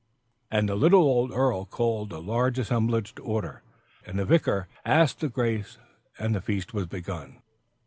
And the little old earl called the large assemblage to order, and the vicar asked the grace, and the feast was begun!